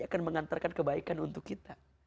akan mengantarkan kebaikan untuk kita